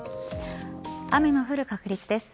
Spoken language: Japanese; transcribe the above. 雨の降る確率です。